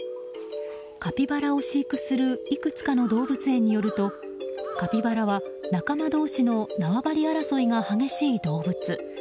カピバラを飼育するいくつかの動物園によるとカピバラは、仲間同士の縄張り争いが激しい動物。